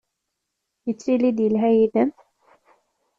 Yettili-d yelha yid-m?